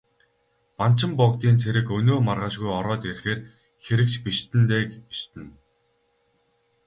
Банчин богдын цэрэг өнөө маргаашгүй ороод ирэхээр хэрэг ч бишиднэ дээ, бишиднэ.